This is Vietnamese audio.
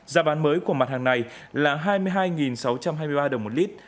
giá bán mới của mặt hàng này là hai mươi hai sáu trăm hai mươi ba đồng một lít